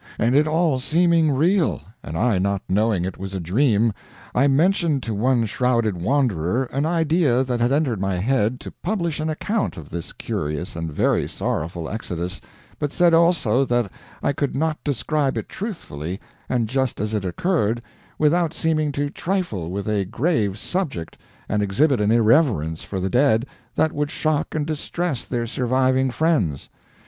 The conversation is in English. And it all seeming real, and I not knowing it was a dream, I mentioned to one shrouded wanderer an idea that had entered my head to publish an account of this curious and very sorrowful exodus, but said also that I could not describe it truthfully, and just as it occurred, without seeming to trifle with a grave subject and exhibit an irreverence for the dead that would shock and distress their surviving friends.